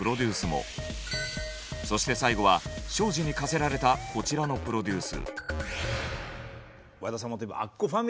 そして最後は庄司に課せられたこちらのプロデュース。